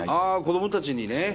あ子どもたちにね。